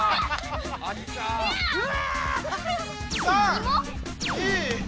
うわ！